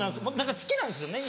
好きなんですよね